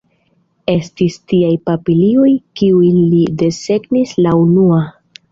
Estis tiaj papilioj, kiujn li desegnis la unua.